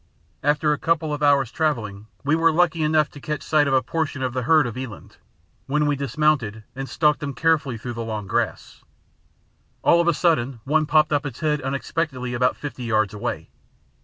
After a couple of hours' travelling we were lucky enough to catch sight of a portion of the herd of eland, when we dismounted and stalked them carefully through the long grass. All of a sudden one popped up its head unexpectedly about fifty yards away.